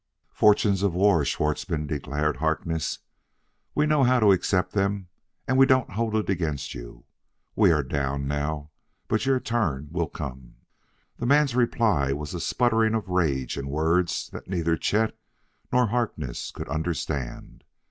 "Fortunes of war, Schwartzmann," declared Harkness; "we know how to accept them, and we don't hold it against you. We are down now, but your turn will come." The man's reply was a sputtering of rage in words that neither Chet nor Harkness could understand.